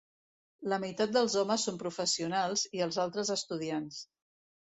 La meitat dels homes són professionals i els altres estudiants.